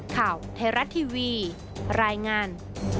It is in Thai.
ข่าวเทราติวีรายงาน